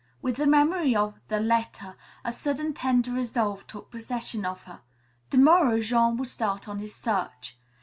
With the memory of "The Letter," a sudden tender resolve took possession of her. To morrow Jean would start on his search.